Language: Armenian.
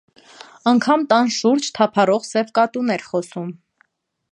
Անգամ տան շուրջ թափառող սև կատուն էր խոսում։